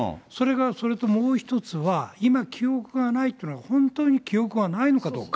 それからもう一つは、今、記憶がないっていうのは、本当に記憶がないのかどうか。